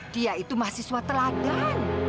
dia itu mahasiswa teladan